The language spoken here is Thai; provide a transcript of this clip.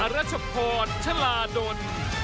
รัชพรชลาดล